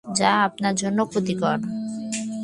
যা আপনার জন্য ক্ষতিকর।